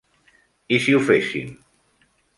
I si ho fessin?